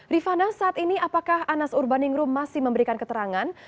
rifana saat ini apakah anas urbaningrum masih memberikan keterangan